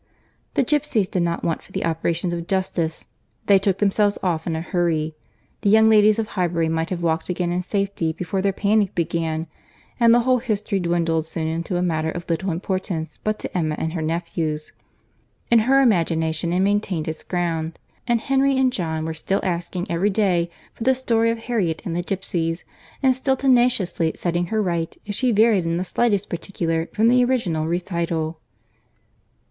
The gipsies did not wait for the operations of justice; they took themselves off in a hurry. The young ladies of Highbury might have walked again in safety before their panic began, and the whole history dwindled soon into a matter of little importance but to Emma and her nephews:—in her imagination it maintained its ground, and Henry and John were still asking every day for the story of Harriet and the gipsies, and still tenaciously setting her right if she varied in the slightest particular from the original recital.